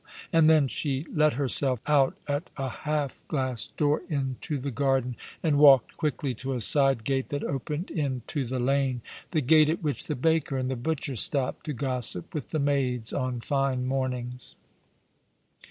And then she let herself out at a half glass door into the garden, and walked quickly to a Side gate that opened in to the lane — the gate at which the baker and the butcher stopped to gossip with the maids on fine mornings.